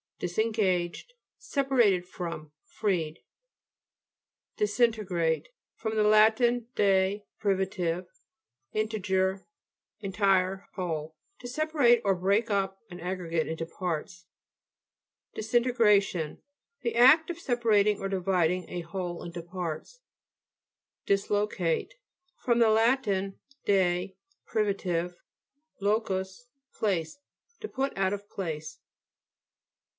DISENGAGED Separated from, freed. DISINTEGRATE fr. lat. de, privi tive, integer, entire, whole. To separate or break up an aggregate into parts. DISINTEGRATION The act of separ ating or dividing a whole into parts. DISLOCATE fr, lat. de, privitive, lo cus, place. To put out of place.